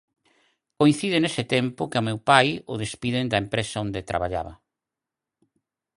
Coincide nese tempo que ao meu pai o despiden da empresa onde traballaba.